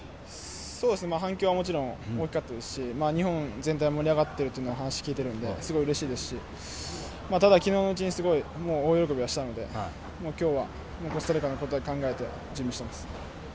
反響はもちろん大きかったですし日本全体盛り上がっているという話を聞いているのでうれしいですし昨日のうちにすごい大喜びはしたので今日はコスタリカのことだけ考えて準備しています。